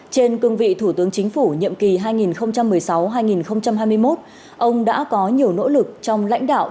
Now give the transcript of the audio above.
trên cương vị thủ tướng chính phủ nhiệm kỳ hai nghìn một mươi sáu hai nghìn hai mươi một ông đã có nhiều nỗ lực trong lãnh đạo